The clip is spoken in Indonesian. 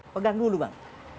pegang dulu bang